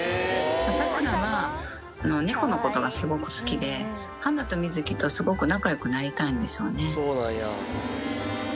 サクラは猫のことがすごく好きで、ハナとミズキとすごく仲よくなりたいんでしょうね。